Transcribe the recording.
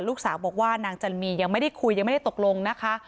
ลูกสาวบอกว่านางจันมียังไม่ได้คุยยังไม่ได้ตกลงนะคะ